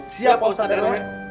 siap pak ustadz rw